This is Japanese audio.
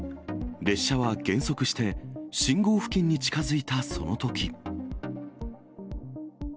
列車は減速して、信号付近に近づいたそのとき。